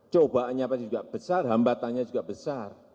cobaannya pasti juga besar hambatannya juga besar